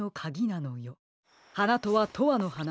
「はな」とは「とわのはな」